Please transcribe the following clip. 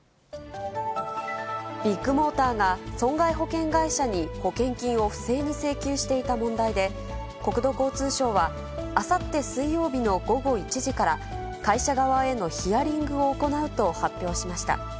ビッグモーターが、損害保険会社に保険金を不正に請求していた問題で、国土交通省はあさって水曜日の午後１時から、会社側へのヒアリングを行うと発表しました。